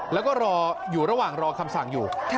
แล้วก็รออยู่ระหว่างรอคำสั่งอยู่